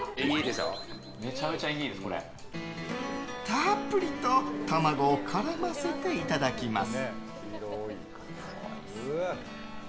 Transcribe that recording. たっぷりと卵を絡ませていただきます。